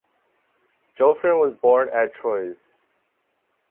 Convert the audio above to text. Joffrin was born at Troyes.